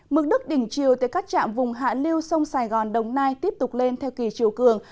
mực đức đỉnh chiều tới các trạm vùng hạ liêu sông sài gòn đồng nai tiếp tục lên theo kỳ chiều cường